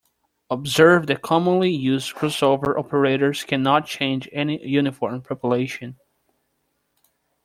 Observe that commonly used crossover operators cannot change any uniform population.